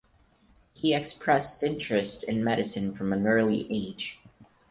He expressed interest in medicine from an early age.